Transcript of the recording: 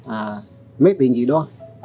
à mế tình gì đó